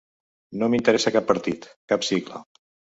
No m’interessa cap partit, cap sigla.